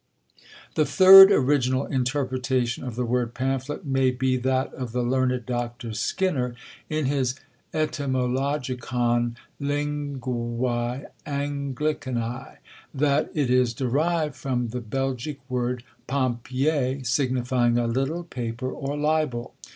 The third original interpretation of the word Pamphlet may be that of the learned Dr. Skinner, in his Etymologicon Linguæ Anglicanæ, that it is derived from the Belgic word Pampier, signifying a little paper, or libel.